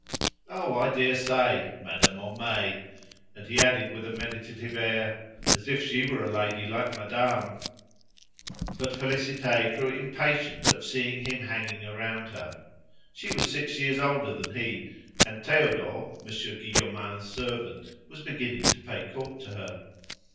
"Oh, I daresay! Madame Homais!" And he added with a meditative air, "As if she were a lady like madame!" But Félicité grew impatient of seeing him hanging round her. She was six years older than he, and Theodore, Monsieur Guillaumin's servant, was beginning to pay court to her.